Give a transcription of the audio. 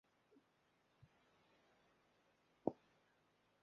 Chwiliem am westy cysurus, lle mae popeth dan lygad y pen-teulu.